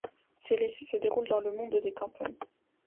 Ses récits se déroulent dans le monde des campagnes.